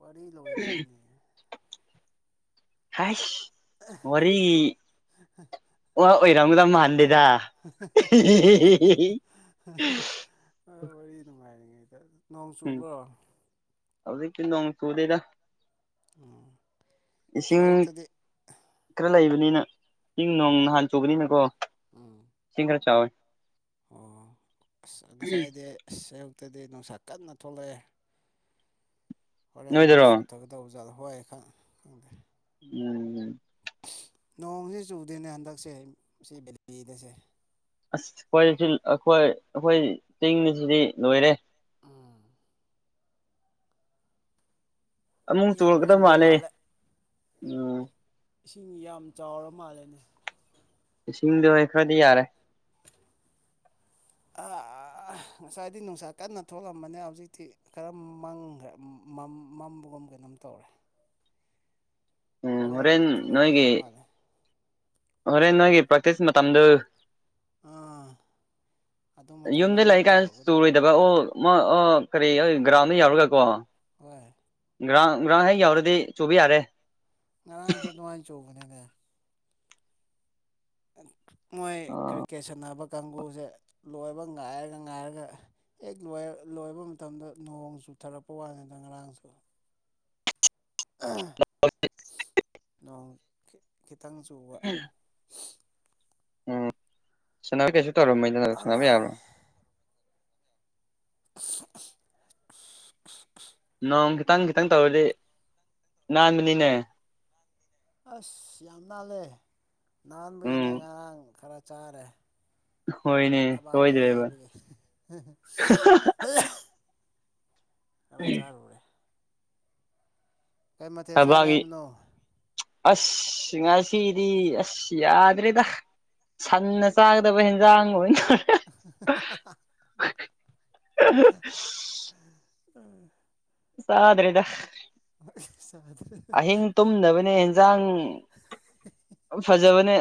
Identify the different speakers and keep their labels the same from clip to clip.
Speaker 1: ꯋꯥꯔꯤ ꯂꯣꯏꯗ꯭ꯔꯦꯅꯦ꯫
Speaker 2: ꯍꯥꯢꯁ ꯋꯥꯔꯤ
Speaker 1: [unintelligible] [unintelligible]
Speaker 2: ꯋꯥ ꯑꯣꯏꯔꯝꯒꯗꯕ ꯃꯥꯟꯗꯦꯗ
Speaker 1: ꯑ ꯋꯥꯔꯤ ꯅꯨꯡꯉꯥꯏꯔꯤꯉꯩꯗ꯫ ꯅꯣꯡ
Speaker 2: ꯎꯝ
Speaker 1: ꯆꯨꯕ꯭ꯔꯣ?
Speaker 2: ꯍꯧꯖꯤꯛꯇꯤ ꯅꯣꯡ ꯆꯨꯗꯦꯗ꯫
Speaker 1: ꯑꯣ꯫
Speaker 2: ꯏꯁꯤꯡ ꯈꯔ ꯂꯩꯕꯅꯤꯅ꯫ ꯏꯤꯡ ꯅꯣꯡ
Speaker 1: ꯎꯝ
Speaker 2: ꯅꯍꯥꯟ ꯆꯨꯡꯕꯅꯤꯅꯀꯣ
Speaker 1: ꯎꯝ
Speaker 2: ꯏꯁꯤꯡ ꯈꯔ ꯆꯥꯎꯋꯦ꯫
Speaker 1: ꯑꯣ ꯑꯁ ꯉꯁꯥꯏꯗꯤ ꯑꯁ ꯑꯌꯨꯛꯇꯗꯤ ꯅꯨꯡꯁꯥ ꯀꯟꯅ ꯊꯣꯛꯂꯛꯑꯦ꯫ ꯍꯣꯔꯦꯟ ꯑꯃꯨꯛ
Speaker 2: ꯅꯣꯏꯗꯔꯣ
Speaker 1: ꯆꯨꯊꯒꯗꯧꯕ ꯖꯥꯠꯂꯥ ꯍꯣꯏ ꯈꯪꯗꯦ꯫
Speaker 2: [unintelligible]
Speaker 1: ꯅꯣꯡꯁꯤ ꯆꯨꯗꯦꯅꯦ ꯍꯟꯗꯛꯁꯦ ꯁꯤ ꯕꯦꯂꯤꯗꯁꯦ꯫
Speaker 2: ꯑꯁ ꯑꯈꯣꯏ ꯑꯈꯣꯏ ꯑꯈꯣꯏ ꯆꯤꯡꯁꯤꯗꯤ ꯂꯣꯏꯔꯦ꯫
Speaker 1: ꯎꯝ
Speaker 2: ꯑꯃꯨꯛ
Speaker 1: ꯌꯥꯝ
Speaker 2: ꯆꯨꯔꯛꯀꯗꯕ
Speaker 1: ꯆꯨꯕ
Speaker 2: ꯃꯥꯂꯦ
Speaker 1: ꯃꯥꯜꯂꯦ
Speaker 2: ꯎꯝ꯫
Speaker 1: ꯏꯁꯤꯡ ꯌꯥꯝ ꯆꯥꯎꯔ ꯃꯥꯜꯂꯦꯅꯦ꯫
Speaker 2: ꯏꯁꯤꯡꯗꯣꯍꯦ ꯈꯔꯗꯤ ꯌꯥꯔꯦ꯫
Speaker 1: ꯉꯁꯥꯏꯗꯤ ꯅꯨꯡꯁꯥ ꯀꯟꯅ ꯊꯣꯛꯂꯝꯕꯅꯦ ꯍꯧꯖꯤꯛꯇꯤ ꯈꯔ ꯃꯝꯈ꯭ꯔꯦ ꯃꯝ ꯃꯝꯕꯒꯨꯝ ꯀꯩꯅꯣꯝ ꯇꯧꯔꯦ ꯍꯣꯔꯦꯟ ꯆꯨꯔꯛꯀꯗꯧꯕ ꯃꯥꯜꯂꯦ
Speaker 2: ꯍꫭꯔꯦꯟ ꯅꯣꯏꯒꯤ ꯄꯦꯛꯇꯤꯁ ꯃꯇꯝꯗꯨ
Speaker 1: ꯑꯥ ꯑꯗꯨ ꯃꯇꯝꯗ
Speaker 2: ꯌꯨꯝꯗ
Speaker 1: ꯑꯃꯨꯛ
Speaker 2: ꯂꯩꯔꯤ ꯀꯥꯟꯗ
Speaker 1: ꯇꯧꯔꯛꯀꯗꯧꯕ
Speaker 2: ꯆꯨꯔꯣꯏꯗꯕ ꯑꯣ ꯃꯥ ꯑꫭ ꯀꯔꯤ ꯒ꯭ꯔꯥꯎꯟꯗ ꯌꯥꯎꯔꯒ ꯀꯣ
Speaker 1: ꯍꫭꯏ
Speaker 2: ꯒ꯭ꯔꯥꯎꯟ ꯒ꯭ꯔꯥꯎꯟ ꯍꯦꯛ ꯌꯧꯔꯗꯤ ꯆꯨꯕ ꯌꯥꯔꯦ
Speaker 1: ꯉꯔꯥꯡꯁꯨ ꯑꯗꯨꯃꯥꯏꯅ ꯆꯧꯕꯅꯤꯅꯦ ꯃꯣꯏ ꯀ꯭ꯔꯤꯛꯀꯦꯠ ꯁꯥꯟꯅꯕ ꯀꯥꯡꯕꯨꯁꯦ ꯂꯣꯏꯕ ꯉꯥꯏꯔꯒ ꯉꯥꯏꯔꯒ ꯍꯦꯛ ꯂꯣꯏ ꯂꯣꯏꯕ ꯃꯇꯝꯗ ꯅꯣꯡ ꯆꯨꯊꯔꯛꯄ ꯋꯥꯅꯤꯗ ꯉꯔꯥꯡꯁꯦ ꯑꯧ ꯈꯤꯇꯪ ꯆꯨꯕ
Speaker 2: ꯎꯝ ꯁꯥꯟꯅꯕ ꯀꯩꯁꯨ ꯇꯧꯔꯝꯃꫭꯏꯗꯅ ꯁꯥꯟꯅꯕ
Speaker 1: ꯑꯂꯥꯏ
Speaker 2: ꯌꯥꯕ꯭ꯔꯣ
Speaker 1: [inaudible]
Speaker 2: ꯅꯣꯡ ꯈꯤꯇꯪ ꯈꯤꯇꯪ ꯇꯧꯔꯗꯤ ꯅꯥꯟꯕꯅꯤꯅꯦ
Speaker 1: ꯑꯁ ꯌꯥꯝ ꯅꯥꯜꯂꯦ
Speaker 2: ꯎꯝ
Speaker 1: ꯅꯥꯟꯕꯒꯤꯅꯦ ꯉꯔꯥꯡ ꯈꯔ ꯆꯥꯔꯦ
Speaker 2: ꯍꯣꯏꯅꯦ
Speaker 1: ꯊꯕꯥꯛꯇ
Speaker 2: ꯁꯣꯏꯗ꯭ꯔꯦꯕ
Speaker 1: ꯌꯩꯕꯒꯤ ꯈꯔ ꯆꯥꯔꯨꯔꯦ ꯀꯩ ꯃꯊꯦꯜ ꯆꯥꯔꯦ
Speaker 2: ꯊꯕꯥꯛꯒꯤ
Speaker 1: ꯍꯥꯏꯕꯅꯣ
Speaker 2: ꯑꯁ ꯉꯁꯤꯗꯤ ꯑꯁ ꯌꯥꯗ꯭ꯔꯦꯗ ꯁꯟꯅ ꯆꯥꯒꯗ ꯗꯕ ꯍꯦꯟꯖꯥꯡ ꯑꯣꯏꯅ
Speaker 1: [inaudible]
Speaker 2: [inaudible]
Speaker 1: ꯎꯝ
Speaker 2: ꯆꯥꯗ꯭ꯔꯦꯗ
Speaker 1: ꯑꯣ ꯁꯥ [inaudible]
Speaker 2: ꯑꯍꯤꯡ ꯇꯨꯝꯗꯕꯅꯦ ꯑꯦꯟꯖꯥꯡ ꯐꯖꯕꯅꯦ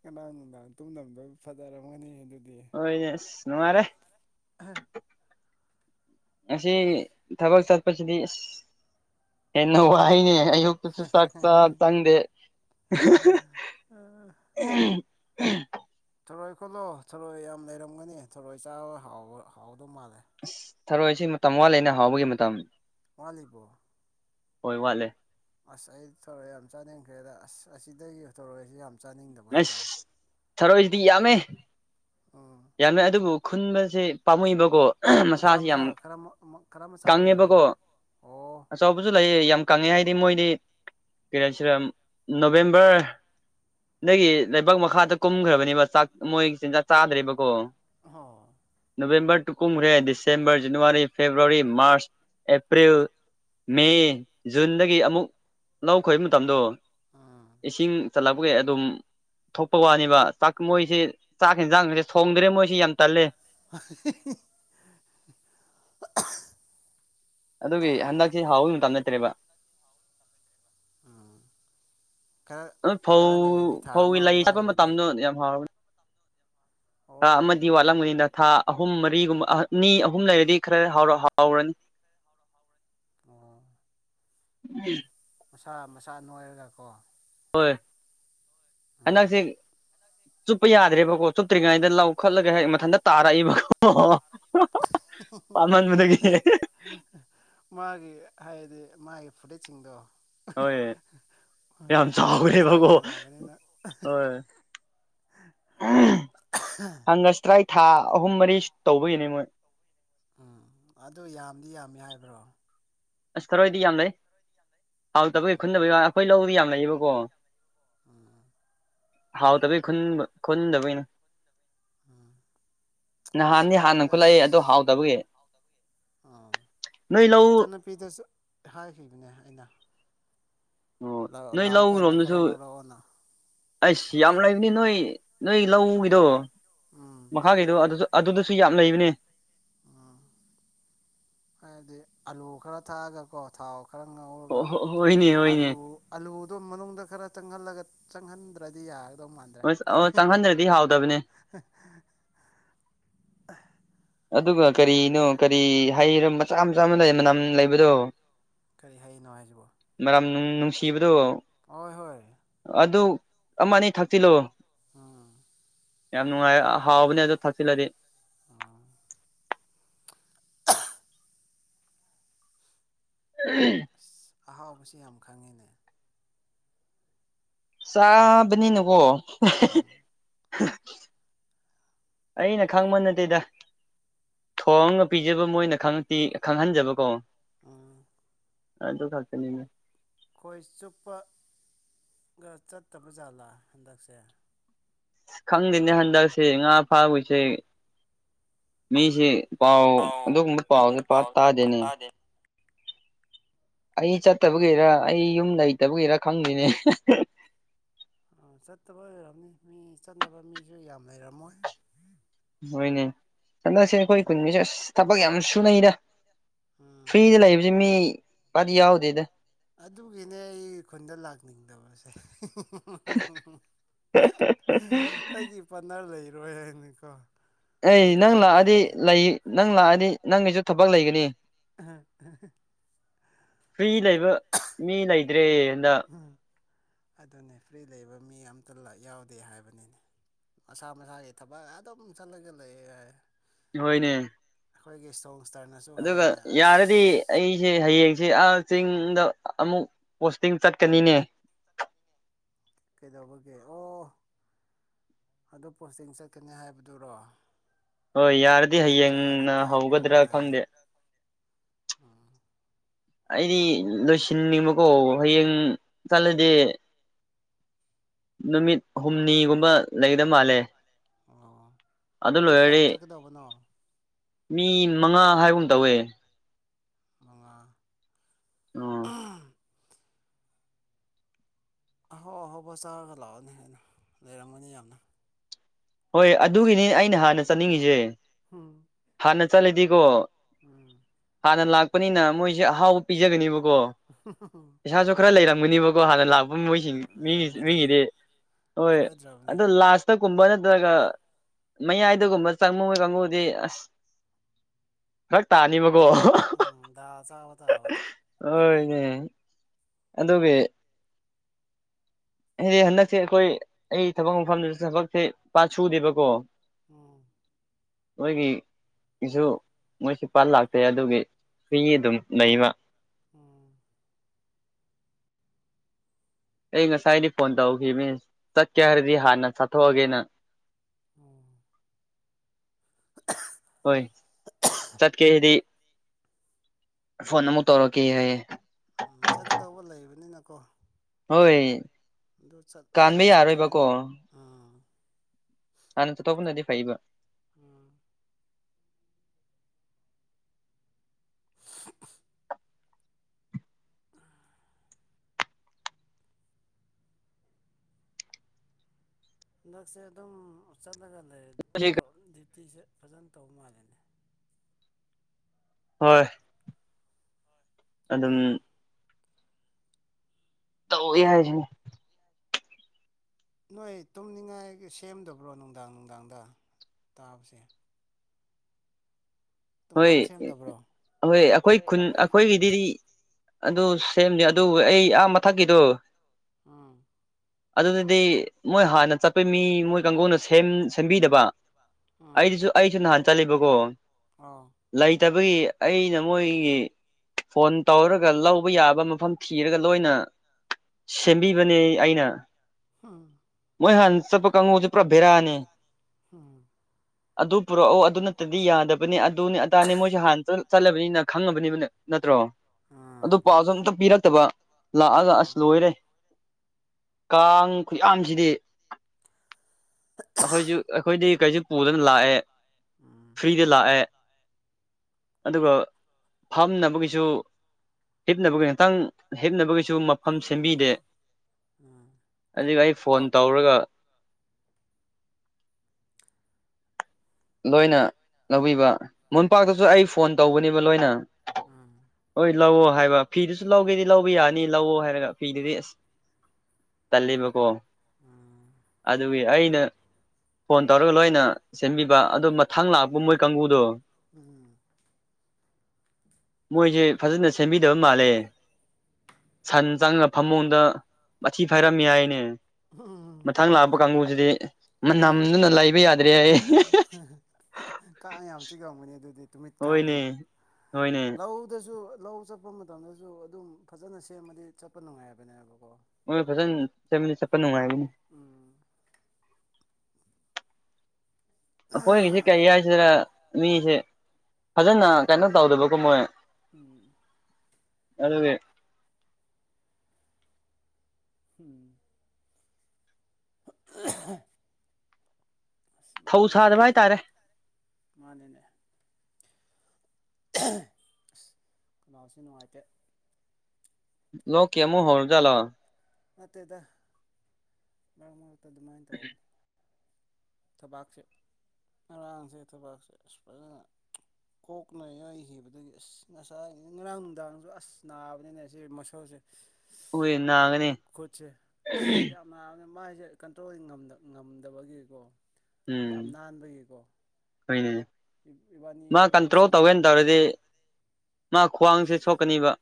Speaker 1: ꯉꯔꯥꯡ ꯅꯨꯡꯗꯥꯡ ꯇꯨꯝꯗꯕꯗꫭ ꯐꯖꯔꯝꯒꯅꯤ ꯑꯗꯨ
Speaker 2: ꯍꫭꯏꯅꯦ ꯅꯨꯡꯉꯥꯥꯔꯦ ꯉꯁꯤ
Speaker 1: ꯑꯦꯁ
Speaker 2: ꯊꯕꯛ ꯆꯠꯄꯁꯤꯗꯤ ꯑꯁ ꯍꯦꯟꯅ ꯋꯥꯎꯅꯦ ꯑꯌꯨꯛ ꯁꯨ ꯆꯥꯛꯆꯥ ꯆꯪꯗꯦ ꯎꯝ
Speaker 1: ꯊꯔꯣꯏ ꯈꯨꯜꯂꯣ ꯊꯔꯣꯏ ꯌꯥꯝ ꯂꯩꯔꯝꯒꯅꯤ ꯊꯔꯣꯏ ꯆꯥꯕ ꯍꯥꯎꯕ ꯍꯥꯎꯗꯧ ꯃꯥꯜꯂꯦ
Speaker 2: ꯑꯁ ꯊꯔꫭꯏꯁꯤ ꯃꯇꯝ ꯋꯥꯠꯂꯤꯅꯦ ꯍꯥꯎꯕꯒꯤ ꯃꯇꯝ
Speaker 1: ꯋꯥꯠꯂꯤꯕꫭ
Speaker 2: ꯍꯣꯏ ꯋꯥꯠꯂꯤ
Speaker 1: ꯑꯁ ꯑꯩ ꯊꯔꫭꯏ ꯌꯥꯝ ꯆꯥꯅꯤꯡꯈ꯭ꯔꯦꯗ ꯑꯁ ꯑꯁꯤꯗꯒꯤꯊꯔꫭꯏꯁꯤ ꯌꯥꯝ ꯆꯥꯅꯤꯡꯗꯕ ꯍꯥꯏꯇꯥꯔꯦ
Speaker 2: ꯑꯁ ꯊꯔꯣꯏꯗꯤ ꯌꯥꯝꯃꯦ
Speaker 1: ꯎꯝ
Speaker 2: ꯌꯥꯝꯃꯦ ꯑꯗꯨꯕꯨ ꯈꯨꯟꯕꯁꯦ ꯄꯥꯝꯃꯨꯏꯕꯀꯣ ꯃꯁꯥ
Speaker 1: ꯑꯝꯖꯥ ꯈꯔꯃꯨꯛ ꯃꯨꯛ ꯈꯔ ꯃꯆꯥ ꯑꯣꯏꯔꯝꯒꯅꯤ ꯑꯣ
Speaker 2: ꯆꯥꯎꯕꯁꯨ ꯂꯩꯌꯦ ꯌꯥꯝ ꯀꯪꯉꯦ ꯍꯥꯏꯗꯤ ꯃꯣꯏꯗꯤ ꯀꯩꯍꯥꯏꯁꯤꯔ ꯅꯣꯕꯦꯝꯕꯔ ꯅꫭꯏꯒꯤ ꯂꯩꯕꯥꯛ ꯃꯈꯥꯗ ꯀꯨꯝꯈ꯭ꯔꯕꯅꯦꯕ ꯆꯥꯛ ꯃꯣꯏꯒꯤ ꯆꯤꯟꯖꯥꯛ ꯆꯥꯗ꯭ꯔꯦꯕꯀꯣ
Speaker 1: ꯍꫭ
Speaker 2: ꯅꯕꯦꯝꯕꯔ ꯇꯨ ꯀꯨꯝꯈ꯭ꯔꯦ December January February March April May ꯖꯨꯟꯗꯒꯤ ꯑꯃꯨꯛ ꯂꯧꯈꯣꯏꯕ ꯃꯇꯝꯗꯣ
Speaker 1: ꯎꯝ
Speaker 2: ꯏꯁꯤꯡ ꯆꯠꯂꯛꯄꯒꯤ ꯑꯗꯨꯝ ꯊꯣꯛꯄ ꯋꯥꯅꯦꯕ ꯆꯥꯛ ꯃꯣꯏꯁꯤ ꯆꯥꯛ ꯌꯦꯟꯖꯥꯡꯁꯦ ꯊꯣꯡꯗ꯭ꯔꯦ ꯃꯣꯏꯁꯤ ꯌꯥꯝ ꯇꯜꯂꯦ
Speaker 1: ꯍ [inaudible]
Speaker 2: ꯑꯗꯨꯒꯤ ꯍꯟꯗꯛꯁꯦ ꯍꯥꯎꯕꯩ ꯃꯇꯝ ꯂꯩꯇ꯭ꯔꯦꯕ
Speaker 1: ꯎꯝ ꯈꯔ
Speaker 2: ꯐꯧ
Speaker 1: ꯈꯔ ꯂꯩꯔꯗꯤ ꯊꯥ
Speaker 2: ꯐꯧꯒꯤ ꯂꯩ
Speaker 1: ꯑꯃꯒꯨꯝꯕ
Speaker 2: ꯆꯠꯄ
Speaker 1: ꯂꯩꯔꯗꯤ
Speaker 2: ꯃꯇꯝꯗꯣ ꯌꯥꯝ ꯍꯥꯎꯔꯕ ꯊꯥ
Speaker 1: ꯑꯣ
Speaker 2: ꯑꯃꯗꯤ ꯋꯥꯠꯂꯝꯕꯅꯤꯅ ꯊꯥ ꯑꯍꯨꯝ ꯃꯔꯤꯒꯨꯝꯕ ꯑꯅꯤ ꯑꯍꯨꯝ ꯂꯩꯔꯗꯤ ꯈꯔ ꯍꯥꯎꯔ ꯍꯥꯎꯔꯅꯤ
Speaker 1: ꯑꯣ
Speaker 2: ꯎꯝ [unintelligible]
Speaker 1: ꯃꯁꯥ ꯃꯁꯥ ꯅꯣꯏꯔꯒ ꯀꯣ
Speaker 2: ꯍꯣꯏ
Speaker 1: ꯎꯝ
Speaker 2: ꯍꯟꯗꯛꯁꯦ ꯆꯨꯞꯄ ꯌꯥꯗ꯭ꯔꯦꯕꯀꯣ ꯆꯨꯞꯠꯇ꯭ꯔꯤꯉꯩꯗ ꯂꯧ ꯈꯠꯂꯒ ꯍ ꯃꯊꯟꯇ ꯇꯥꯔꯛꯏꯕꯀꯣ
Speaker 1: ꯇꯔꯥ
Speaker 2: ꯄꯥꯃꯟꯕꯗꯒꯤ
Speaker 1: [unintelligible] ꯃꯥꯒꯤ ꯍꯥꯏꯗꯤ ꯃꯥꯒꯤ ꯐꯨꯔꯤꯠꯁꯤꯡꯗꯣ
Speaker 2: ꯍꯣꯏ ꯌꯥꯝ
Speaker 1: ꯃꯁꯥ
Speaker 2: ꯆꯥꯎꯋꯦꯕꯀꯣ
Speaker 1: ꯀꯪꯉꯕꯅꯤꯅ
Speaker 2: ꯍꯣꯏ ꯍꯪꯒꯔꯁꯇ꯭ꯔꯥꯏ ꯊꯥ ꯑꯍꯨꯝ ꯃꯔꯤ ꯇꯧꯕꯒꯤꯅꯦ ꯃꯣꯏ
Speaker 1: ꯎꯝ ꯑꯗꯨ ꯌꯥꯝꯗꯤ ꯌꯥꯝꯃꯤ ꯍꯥꯏꯕ꯭ꯔꯣ
Speaker 2: ꯑꯁ ꯊꯔꯣꯏꯗꯤ ꯌꯥꯝ ꯂꯩ ꯍꯥꯎ ꯇꯕꯒꯤ
Speaker 1: ꯎꯝ
Speaker 2: ꯈꯨꯟꯗꯕꯩ ꯋꯥ ꯩꯈꯣꯏ ꯂꯧꯗꯤ ꯌꯥꯝ ꯂꯩꯌꯦꯕꯀꯣ
Speaker 1: ꯎꯝ
Speaker 2: ꯍꯥꯎꯇꯕꯩ ꯈꯨꯟꯕ ꯈꯨꯨꯟꯗꯕꯩꯅꯦ
Speaker 1: ꯑꯝ ꯁ
Speaker 2: ꯅꯍꯥꯟꯗꯤ
Speaker 1: ꯑꯣ
Speaker 2: ꯍꯥꯟꯅ ꯈꯨꯠꯂꯛꯑꯦ ꯑꯗꯣ ꯍꯥꯎꯇꯕꯒꯤ ꯅꯣꯏ ꯂꯧ
Speaker 1: [unintelligible] ꯅꯨꯄꯤꯗꯁꯨ ꯍꯥꯏꯈꯤꯕꯅꯦ ꯑꯩꯅ ꯑꯣ ꯂꯥꯛꯑꯀꯥꯟꯗ ꯈꯔ ꯂꯧꯔꯛꯑꯣꯅ
Speaker 2: ꯑꯁ ꯌꯥꯝ ꯂꯩꯕꯅꯤ ꯅꯣꯏ ꯅꯣꯏ ꯂꯧꯒꯤꯗꯣ
Speaker 1: ꯎꯝ
Speaker 2: ꯃꯈꯥꯒꯤꯗꯨ ꯑꯗꯨꯁꯨ ꯑꯗꯨꯗꯁꯨ ꯌꯥꯝ ꯂꯩꯕꯅꯦ
Speaker 1: ꯎꯝ ꯍꯥꯏꯗꯤ ꯑꯂꯨ ꯈꯔ ꯊꯥꯛꯑꯒꯀꯣ ꯊꯥꯎ ꯈꯔ ꯉꯥꯎꯔꯒ
Speaker 2: ꯑꯣ ꯍꯣꯏꯅꯦ ꯍꯣꯏꯅꯦ
Speaker 1: ꯑꯂꯨ ꯑꯂꯨꯗꯣ ꯃꯅꯨꯡꯗ ꯈꯔ ꯆꯪꯍꯜꯂꯒ ꯆꯪꯍꯟꯗ꯭ꯔꯗꯤ ꯌꯥꯒꯗꯧ ꯃꯜꯂꯦ ꯭ꯔ
Speaker 2: ꯑꯣ ꯆꯪꯍꯟꯗ꯭ꯔꯗꯤ ꯍꯥꯎꯇꯕꯅꯦ
Speaker 1: [unintelligible]
Speaker 2: ꯑꯗꯨꯒ ꯀꯔꯤꯅꯣ ꯀꯔꯤ ꯍꯥꯏꯔ ꯃꯆꯥ ꯃꯆꯥ ꯑꯃ ꯂꯩ ꯃꯅꯝ ꯂꯩꯕꯗꯣ
Speaker 1: ꯀꯔꯤ ꯍꯩꯅꯣ ꯍꯥꯏꯁꯤꯕꯣ
Speaker 2: ꯃꯔꯝ ꯅꯨꯡꯁꯤꯕꯗꯣ
Speaker 1: ꯍꯣꯏ ꯍꯣꯏ
Speaker 2: ꯑꯗꯨ ꯑꯃ ꯑꯅꯤ ꯊꯥꯛꯆꯤꯜꯂꯣ
Speaker 1: ꯎꯝ
Speaker 2: ꯌꯥꯝ ꯅꯨꯡꯉꯥꯏ ꯑ ꯍꯥꯎꯕꯅꯦ ꯑꯗꯨ ꯊꯥꯛꯆꯤꯜꯂꯗꯤ
Speaker 1: ꯑ
Speaker 2: ꯎꯝ [unintelligible]
Speaker 1: ꯑꯁ ꯑꯍꯥꯎꯕꯁꯤ ꯌꯥꯝ ꯈꯪꯉꯤꯅꯦ
Speaker 2: ꯆꯥꯕꯅꯤꯅꯀꯣ
Speaker 1: ꯎꯝ
Speaker 2: ꯑꯩꯅ ꯈꯪꯕ ꯅꯠꯇꯦꯗ ꯊꯣꯡꯒ ꯄꯤꯖꯕ ꯃꯣꯏꯅ ꯈꯪꯉꯛꯇꯤ ꯈꯪꯍꯟꯖꯕꯀꯣ
Speaker 1: ꯑꯥ
Speaker 2: ꯑꯗ ꯨ ꯈꯛꯇꯅꯤꯅꯦ
Speaker 1: ꯈꯣꯏ ꯆꯨꯞꯄ ꯒ ꯆꯠꯇꯕ ꯖꯥꯠꯂꯥ ꯍꯟꯗꯛꯁꯦ
Speaker 2: ꯈꯪꯗꯦꯅꯦ ꯍꯟꯗꯛꯁꯦ ꯉꯥ ꯐꯥꯕꯩꯁꯦ ꯃꯤꯖꯦ ꯄꯥꯎ ꯑꯗꯨꯒꯨꯝꯕ ꯄꯥꯎꯁꯦ ꯄꯥꯛ ꯇꯥꯗꯦꯅꯦ ꯑꯩ ꯆꯠꯇꯕꯒꯤꯔ ꯑꯩ ꯌꯨꯝ ꯂꯩꯇꯕꯒꯤꯔ ꯈꯪꯗꯦꯅꯦ
Speaker 1: ꯑ ꯆꯠꯇꯕꯩ ꯑꯣꯏꯔꯝꯅꯤ ꯃꯤ ꯆꯠꯅꯕ ꯃꯤꯁꯨ ꯌꯥꯝ ꯂꯩꯔꯝꯃꯣꯏ
Speaker 2: ꯍꯣꯏꯅꯦ ꯍꯟꯗꯛꯁꯦ ꯑꯩꯈꯣꯏ
Speaker 1: ꯎꯝ
Speaker 2: ꯈꯨꯟꯒꯤꯁꯦ ꯑꯁ ꯊꯕꯛ ꯌꯥꯝ ꯁꯨꯅꯩꯗ
Speaker 1: ꯎꯝ
Speaker 2: ꯐ꯭ꯔꯤꯗ ꯂꯩꯕ ꯖꯦ ꯃꯤ ꯄꯥꯛꯗꯤ ꯌꯥꯎꯗꯦꯗ
Speaker 1: ꯑꯗꯨꯒꯤꯅꯦ ꯑꯩ ꯈꯨꯟꯗ ꯂꯥꯛꯅꯤꯡꯗꯕꯁꯦ ꯑꯩꯒꯤ ꯄꯥꯠꯅꯔ ꯂꯩꯔꯣꯏ ꯍꯥꯏꯅꯀꯣ
Speaker 2: ꯑꯩ ꯅꯪ ꯂꯥꯛꯑꯗꯤ ꯂꯩ ꯅꯪ ꯂꯥꯛꯑꯗꯤ ꯅꯪꯒꯤꯁꯨ ꯊꯕꯛ ꯂꯩꯒꯅꯤ
Speaker 1: [unintelligible]
Speaker 2: ꯐ꯭ꯔꯤ ꯂꯩꯕ ꯃꯤ ꯂꯩꯇ꯭ꯔꯦ ꯍꯟꯗꯛ
Speaker 1: [unintelligible] ꯑꯗꯨꯅꯦ ꯐ꯭ꯔꯤ ꯂꯩꯕ ꯃꯤ ꯑꯝꯇ ꯂꯥꯛ ꯌꯥꯎꯗꯦ ꯍꯥꯏꯕꯅꯤꯅꯦ ꯃꯁꯥ ꯃꯁꯥꯒꯤ ꯊꯕꯛ ꯑꯗꯨꯝ ꯆꯠꯂꯒ ꯂꯩꯔꯦ
Speaker 2: ꯍꯣꯏꯅꯦ
Speaker 1: ꯑꯩꯈꯣꯏꯒꯤ ꯁꯣꯡꯁꯇꯥꯔꯅꯁꯨ
Speaker 2: ꯑꯗꯨꯒ ꯌꯥꯔꯗꯤ ꯑꯩꯁꯦ ꯍꯌꯦꯡꯁꯦ ꯑꯥ ꯆꯤꯡꯗ ꯑꯃꯨꯛ ꯄꯣꯁꯇꯤꯡ ꯆꯠꯀꯅꯤꯅꯦ
Speaker 1: ꯀꯩꯗꯧꯕꯒꯤ ꯑꯣ ꯑꯗꯨ ꯄꯣꯁꯇꯤꯡ ꯆꯠꯀꯅꯤ ꯍꯥꯏꯕꯗꯨꯔꯣ
Speaker 2: ꯍꯣꯏ ꯌꯥꯔꯗꯤ
Speaker 1: ꯑꯩ ꯇꯥꯗꯤ
Speaker 2: ꯍꯌꯦꯡꯅ
Speaker 1: ꯇꯥꯕꯒꯨꯝ
Speaker 2: ꯍꯧꯒꯗ꯭ꯔꯥ
Speaker 1: ꯍꯥꯏ
Speaker 2: ꯈꯪꯗꯦ
Speaker 1: ꯎꯝ
Speaker 2: ꯑꯩꯗꯤ ꯂꯣꯏꯁꯤꯟꯅꯤꯡꯕꯀꯣ ꯍꯌꯦꯡ ꯆꯠꯂꯗꯤ ꯅꯨꯃꯤꯠ ꯍꯨꯝꯅꯤꯒꯨꯝꯕ ꯂꯩꯒꯗꯕ ꯃꯥꯜꯂꯦ
Speaker 1: ꯑꯣ
Speaker 2: ꯑꯗꯨ
Speaker 1: ꯃꯤ ꯀꯌꯥꯝ
Speaker 2: ꯂꯣꯏꯔꯗꯤ
Speaker 1: ꯆꯠꯀꯗꯧꯕꯅꯣ
Speaker 2: ꯃꯤ ꯃꯉꯥ ꯍꯥꯏꯒꯨꯝ ꯇꯧꯋꯦ
Speaker 1: ꯃꯉꯥ
Speaker 2: ꯑꯣ
Speaker 1: ꯑꯍꯥꯎ ꯑꯍꯥꯎꯕ ꯆꯥꯔꯒ ꯂꯥꯛꯑꯣꯅꯦꯅ ꯂꯩꯔꯝꯒꯅꯤ ꯌꯥꯝꯅ
Speaker 2: ꯍꯣꯏ ꯑꯗꯨꯒꯤꯅꯤ ꯑꯩꯅ ꯍꯥꯟꯅ ꯆꯠꯅꯤꯡꯉꯤꯁꯦ
Speaker 1: ꯍꯨꯝ
Speaker 2: ꯍꯥꯟꯅ ꯆꯠꯂꯗꯤꯀꯣ
Speaker 1: ꯎꯝ
Speaker 2: ꯍꯥꯟꯅ ꯂꯥꯛꯄꯅꯤꯅ ꯃꯣꯏꯁꯦ ꯑꯍꯥꯎꯕ ꯄꯤꯖꯒꯅꯤꯕꯀꯣ
Speaker 1: [unintelligible]
Speaker 2: ꯄꯩꯁꯥꯁꯨ ꯈꯔ ꯂꯩꯔꯒꯅꯤꯕꯀꯣ ꯍꯥꯟꯅ ꯂꯥꯛꯄ ꯃ ꯃꯣꯏꯁꯤꯡ ꯃꯤꯒꯤ
Speaker 1: ꯂꯩꯔꯝꯒꯅꯤ
Speaker 2: ꯃꯤꯒꯤꯗꯤ ꯍꯣꯏ
Speaker 1: ꯁꯣꯏꯗ꯭ꯔꯕꯅꯤ
Speaker 2: ꯑꯗꯣ ꯂꯥꯁꯇ ꯒꯨꯝꯕꯅ ꯑꯗꯨ ꯍꯥꯏꯔꯒ ꯃꯌꯥꯏꯗꯒꯨꯝꯕ ꯆꯪꯕ ꯃꯣꯏ ꯀꯥꯡꯒꯨꯗꯤ ꯑꯁ ꯐꯔꯛ ꯇꯥꯅꯤꯕꯀꯣ
Speaker 1: ꯎꯝ ꯗꯥꯜ ꯆꯥꯕ ꯇꯥꯕ
Speaker 2: ꯍꯣꯏꯅꯦ ꯑꯗꯨꯒꯤ
Speaker 1: [inaudible]
Speaker 2: ꯑꯩꯗꯤ ꯍꯟꯗꯛꯁꯦ ꯑꯩꯈꯣꯏ ꯑꯩ ꯊꯕꯛ ꯃꯐꯝꯗꯁꯨ ꯊꯕꯛꯁꯦ ꯄꯥꯛ ꯁꯨꯗꯦꯕꯀꯣ
Speaker 1: ꯎꯝ
Speaker 2: ꯃꯣꯏꯒꯤꯁꯤꯁꯨ ꯃꯣꯏꯁꯨ ꯄꯥꯥꯛ ꯂꯥꯛꯇꯦ ꯑꯗꯨꯒꯤ [unintelligible] ꯑꯗꯨꯝ ꯅꯩ ꯃꯥ
Speaker 1: ꯎꯝ
Speaker 2: ꯑꯩ ꯉꯁꯥꯏꯗꯤ ꯐꯣꯟ ꯇꯧꯈꯤꯕꯅꯦ ꯆꯠꯀꯦ ꯍꯥꯏꯔꯗꯤ ꯍꯥꯟꯅ ꯆꯠꯊꯣꯛꯑꯥꯒꯦꯅ
Speaker 1: ꯑꯣ
Speaker 2: ꯍꯣꯏ ꯆꯠꯀꯦ ꯍꯥꯏꯗꯤ ꯐꯣꯟ ꯑꯃꯨꯛ ꯇꯧꯔꯛꯀꯦ ꯍꯥꯏꯌꯦ
Speaker 1: ꯎꯝ ꯆꯠꯀꯗꯧꯕ ꯂꯩꯕꯅꯤꯅꯀꯣ
Speaker 2: ꯍꯣꯏ
Speaker 1: ꯑꯗꯨ ꯆꯠ
Speaker 2: ꯀꯥꯟꯕ
Speaker 1: ꯍꯥꯟꯅ
Speaker 2: ꯌꯥꯔꯣꯏꯕꯀꯣ
Speaker 1: ꯆꯠꯊꯣꯛꯄꯅ ꯑꯥ
Speaker 2: ꯍꯥꯟꯅ ꯆꯠꯊꯣꯛꯄꯅꯗꯤ‌ ꯐꯩꯌꯦꯕ
Speaker 1: ꯎꯝ [unintelligible] ꯑꯥ ꯍꯟꯗꯛꯁꯦ ꯑꯗꯨꯝ ꯆꯠꯂꯒ ꯂꯩꯔꯔꯣ ꯗ꯭ꯌꯨꯇꯤꯁꯦ ꯐꯖꯅ ꯇꯧꯕ ꯃꯥꯜꯂꯦꯅꯦ
Speaker 2: ꯍꯣꯏ ꯑꯗꯨꯝ ꯇꯧꯏꯋꯦ ꯍꯥꯏꯔꯤꯁꯤꯅꯤ
Speaker 1: ꯅꯣꯏ ꯇꯨꯝꯅꯤꯡꯉꯥꯏꯒꯤ ꯁꯦꯝꯗꯕ꯭ꯔꯣ ꯅꯨꯡꯗꯥꯡ ꯅꯨꯡꯗꯥꯡꯗ ꯇꯥꯕꯁꯦ
Speaker 2: ꯍꯣꯏ
Speaker 1: ꯇꯨꯝꯐꯝ ꯁꯦꯝꯗꯕ꯭ꯔꯣ
Speaker 2: ꯍꯣꯏ ꯑꯩꯈꯣꯏ ꯈꯨꯟ ꯑꯩꯈꯣꯏꯒꯤꯗꯤꯗꯤ ꯑꯗꯨ ꯁꯦꯝꯗꯦ ꯑꯗꯨ ꯑꯩ ꯑꯥ ꯃꯊꯛꯀꯤꯗꯣ
Speaker 1: ꯎꯝ
Speaker 2: ꯑꯗꯨꯗꯗꯤ ꯃꯣꯏ ꯍꯥꯟꯅ ꯆꯠꯄꯩ ꯃꯤ ꯃꯣꯏ ꯀꯥꯡꯒꯨꯅ ꯁꯦꯝ ꯁꯦꯝꯕꯤꯗꯕ ꯑꯩꯗꯨꯁꯨ ꯑꯩꯁꯨ ꯅꯍꯥꯟ ꯆꯠꯂꯦꯕꯀꯣ
Speaker 1: ꯑꯣꯍ
Speaker 2: ꯂꯩꯇꯕꯒꯤ ꯑꯩꯅ ꯃꯣꯏꯒꯤ ꯐꯣꯟ ꯇꯧꯔꯒ ꯂꯧꯕ ꯌꯥꯕ ꯃꯐꯝ ꯊꯤꯔꯒ ꯂꯣꯏꯅ ꯁꯦꯝꯕꯤꯕꯅꯦ ꯑꯩꯅ
Speaker 1: [unintelligible]
Speaker 2: ꯃꯣꯏ ꯍꯥꯟꯅ ꯆꯠꯄ ꯀꯥꯡꯕꯨꯁꯦ ꯄꯨꯔꯥ ꯚꯦꯔꯥꯅꯤ
Speaker 1: ꯎꯝ
Speaker 2: ꯑꯗꯨ ꯄꯨꯔꯛꯑꯣ ꯑꯗꯨ ꯅꯠꯇꯗꯤ ꯌꯥꯗꯕꯅꯦ ꯑꯗꯨꯅꯦ ꯑꯥꯗꯅꯦ ꯃꯣꯏꯁꯦ ꯍꯥꯟꯅ ꯆꯠ ꯆꯠꯂꯕꯅꯤꯅ ꯈꯪꯉꯕꯅꯤꯕ ꯅꯠ ꯅꯠꯇ꯭ꯔꯣ ꯑꯗꯨ
Speaker 1: ꯎꯝ
Speaker 2: ꯄꯥꯎꯁꯨ ꯑꯝꯇ ꯄꯤꯔꯛꯇꯕ ꯂꯥꯛꯑꯥꯒ ꯑꯁ
Speaker 1: ꯎꯝ
Speaker 2: ꯂꯣꯏꯔꯦ ꯀꯥꯡ ꯈꯨꯌꯥꯝꯁꯤꯗꯤ ꯑꯩꯈꯣꯏꯁꯨ ꯑꯩꯈꯣꯏꯗꯤ ꯀꯩꯁꯨ ꯄꯨꯗꯅ ꯂꯥꯛꯑꯦ
Speaker 1: ꯎꯝ
Speaker 2: ꯐ꯭ꯔꯤꯗ ꯂꯥꯛꯑꯦ ꯑꯗꯨꯒ ꯐꯝꯅꯕꯒꯤꯁꯨ ꯍꯤꯞꯅꯕꯒꯤ ꯉꯥꯛꯇꯪ ꯍꯤꯞꯅꯕꯒꯤꯁꯨ ꯃ ꯐꯝ ꯁꯦꯝꯕꯤꯗꯦ
Speaker 1: ꯎꯝ
Speaker 2: ꯑꯗꯨꯒ ꯑꯩ ꯐꯣꯟ
Speaker 1: ꯇꯧ
Speaker 2: ꯇꯧꯔꯒ ꯂꯣꯏꯅ ꯂꯧꯕꯤꯕ ꯃꯣꯝꯄꯥꯛꯇꯨꯁꯨ ꯑꯩ ꯐꯣꯟ ꯇꯧꯕꯅꯦꯕ ꯂꯣꯏꯅ
Speaker 1: ꯎꯝ
Speaker 2: ꯍꯣꯏ ꯂꯧꯑꯣ ꯍꯥꯏꯕ ꯐꯤꯗꯨꯁꯨ ꯂꯧꯒꯦꯗꯤ ꯂꯧꯕ ꯌꯥꯅꯤ ꯂꯧꯑꯣ ꯍꯥꯏꯔꯒ ꯐꯤꯗꯨꯗꯤ ꯑꯁ ꯇꯜꯂꯦꯕꯀꯣ
Speaker 1: ꯎꯝ
Speaker 2: ꯑꯗꯨꯒꯤ ꯑꯩꯅ ꯐꯣꯟ ꯇꯧꯔꯒ ꯂꯣꯏꯅ ꯁꯦꯝꯕꯤ ꯕ ꯑꯗꯣ ꯃꯊꯪ ꯂꯥꯛꯄ ꯃꯣꯏ ꯀꯥꯡꯕꯨꯨꯗꯣ
Speaker 1: ꯎꯝ
Speaker 2: ꯃꯣꯏꯁꯦ ꯐꯖꯅ ꯁꯦꯝꯕꯤꯗꯕ ꯃꯥꯜꯂꯦ ꯁꯟ ꯆꯪꯔꯒ ꯐꯃꯨꯡꯗ ꯃꯊꯤ ꯐꯥꯏꯔꯝꯃꯤ ꯍꯥꯏꯅꯦ
Speaker 1: ꯎꯝ
Speaker 2: ꯃꯊꯪ ꯂꯥꯛꯄ ꯀꯥꯡꯕꯨꯁꯤꯗꯤ ꯃꯅꯝꯗꯨꯅ ꯂꯩꯕ ꯌꯥꯗ꯭ꯔꯦ ꯍꯥꯏꯌꯦ
Speaker 1: ꯀꯥꯡ ꯌꯥꯝ ꯆꯤꯛꯒꯝꯕꯅꯤ ꯑꯗꯨꯗꯤ ꯇꯨ ꯃꯤꯠ
Speaker 2: ꯍꯣꯏꯅꯦ
Speaker 1: ꯀꯥꯡꯁꯦ
Speaker 2: ꯍꯣꯏꯅꯦ
Speaker 1: ꯂꯧꯗꯁꯨ ꯂꯧ ꯆꯞ ꯄ ꯃꯇꯝꯗꯁꯨ ꯑꯗꯨꯝ ꯐꯖꯅ ꯁꯦꯝꯃꯗꯤ ꯆꯠꯄ ꯅꯨꯡꯉꯥꯏꯕꯅꯦꯕꯀꯣ
Speaker 2: ꯃꯣꯏ ꯐꯖꯅ ꯁꯦꯝꯂ ꯆꯠꯄ ꯅꯨꯡꯉꯥꯏꯒꯅꯤ
Speaker 1: ꯎꯝ
Speaker 2: ꯑꯩꯈꯣꯏꯒꯤꯗꯤ ꯀꯔꯤ ꯍꯥꯏꯁꯤꯗ ꯃꯤꯁꯦ ꯐꯖꯅ ꯀꯩꯅꯣ ꯇꯧꯗꯕꯀꯣ ꯃꯣꯏ
Speaker 1: ꯎꯝ
Speaker 2: ꯑꯗꯨꯒꯦ
Speaker 1: ꯎꯝ [unintelligible]
Speaker 2: ꯊꯧ ꯁꯥꯗꯕ ꯍꯥꯏꯇꯥꯔꯦ
Speaker 1: ꯃꯥꯅꯦꯅꯦ ꯑꯁ ꯈꯅꯥꯎꯁꯦ ꯅꯨꯡꯉꯥꯏꯇꯦ
Speaker 2: ꯂꯣꯛꯀꯤ ꯑꯃꯨꯛ ꯍꯧꯔꯥ ꯖꯥꯠꯂꯣ
Speaker 1: ꯅꯠꯇꯦꯗ ꯃꯔꯛ ꯃꯔꯛꯇ ꯑꯗꯨꯃꯥꯏꯅ ꯇꯧꯕꯅꯦ ꯊꯕꯥꯛꯁꯦ ꯉꯔꯥꯡꯁꯦ ꯊꯕꯥꯛꯁꯦ ꯑꯁ ꯐꯖꯅ ꯀꯣꯛꯅ ꯌꯩꯈꯤꯕꯗꯒꯤ ꯑꯁ ꯉꯁꯥꯏ ꯉꯔꯥꯡ ꯅꯨꯡꯗꯥꯡꯁꯨ ꯑꯁ ꯅꯥꯕꯅꯤꯅ ꯁꯤ ꯃꯁꯜꯁꯦ
Speaker 2: ꯍꯣꯏ ꯅꯥꯒꯅꯤ
Speaker 1: ꯈꯨꯠꯁꯦ ꯑꯁ ꯌꯥꯝ ꯅꯥꯕꯅ ꯃꯥꯏꯁꯦ ꯀꯟꯇ꯭ꯔꯣꯜ ꯉꯝꯗ ꯉꯝꯗꯕꯒꯤꯀꯣ ꯌꯥꯝ ꯅꯥꯟꯕꯒꯤꯀꯣ
Speaker 2: ꯎꯝ
Speaker 1: ꯏꯕꯥꯅꯤ
Speaker 2: ꯃꯥ
Speaker 1: ꯄꯨꯟꯅ
Speaker 2: ꯀꯟꯇ꯭ꯔꯣꯜ ꯇꯧꯋꯦꯅ
Speaker 1: ꯆꯦꯟꯁꯤꯜꯂꯛꯄꯗꯣ
Speaker 2: ꯇꯧꯔꯗꯤ ꯃꯥ ꯈ꯭ꯋꯥꯡꯁꯨ ꯁꯣꯛꯀꯅꯤꯕ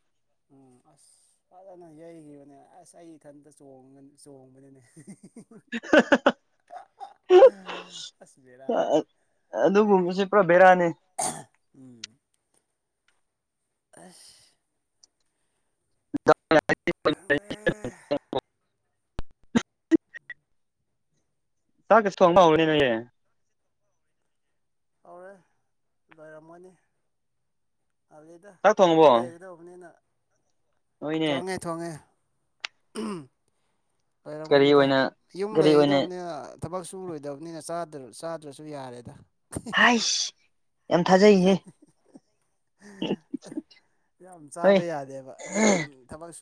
Speaker 1: ꯎꯝ ꯑꯁ ꯐꯖꯅ ꯌꯩꯈꯤꯕꯅꯦ ꯑꯁ ꯑꯩ ꯏꯊꯟꯇ ꯆꯣꯡꯉ ꯆꯣꯡꯕꯅꯤꯅꯦ ꯑꯁ ꯕꯦꯔꯥꯅꯦ
Speaker 2: ꯑꯗꯨꯒꯨꯝꯕꯁꯦ ꯄꯨꯔꯥ ꯕꯦꯔꯥꯅꯦ
Speaker 1: ꯎꯝ ꯑꯁ
Speaker 2: [unintelligible]
Speaker 1: ꯈꯪꯗ꯭ꯔꯦ
Speaker 2: ꯁꯥ [unintelligible] ꯊꯣꯛꯅꯍꯧ [unintelligible]
Speaker 1: ꯇꯧꯔꯦ ꯂꯣꯏꯔꯝꯃꯅꯤ ꯑꯗꯩꯗ
Speaker 2: ꯆꯥꯛ
Speaker 1: ꯌꯨꯝ
Speaker 2: ꯊꯣꯡꯉꯕꯣ
Speaker 1: ꯂꯩꯒꯗꯧꯕꯅꯤꯅ
Speaker 2: ꯅꯣꯏꯅꯦ
Speaker 1: ꯊꯣꯡꯉꯦ ꯊꯣꯡꯉꯦ
Speaker 2: ꯀꯔꯤ
Speaker 1: ꯂꯩꯔꯝꯒꯅꯤꯗ
Speaker 2: ꯑꯣꯏꯅ
Speaker 1: ꯌꯨꯝ
Speaker 2: ꯀꯔꯤ ꯑꯣꯏꯅ
Speaker 1: ꯂꯩꯒꯗꯧꯕꯅꯤ ꯑ ꯊꯕꯛ ꯁꯨꯨꯂꯣꯏꯗꯕꯅꯤꯅ ꯆꯥꯗ꯭ꯔꯥ ꯆꯥꯗ꯭ꯔꯁꯨ ꯌꯥꯔꯦꯗ
Speaker 2: ꯍꯥꯏꯁ ꯌꯥꯝ ꯊꯥꯖꯩꯍꯦ
Speaker 1: ꯌꯥꯝ
Speaker 2: ꯍꯣꯏ
Speaker 1: ꯆꯥꯕ ꯌꯥꯗꯦꯕ ꯌꯨꯝ ꯊꯕꯛꯁꯨ